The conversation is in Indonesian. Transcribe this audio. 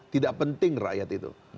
tidak penting rakyat itu